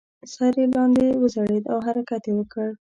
سر یې لاندې وځړید او حرکت یې وکړ.